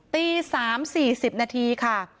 ตี๓๔๐นาทีค่ะ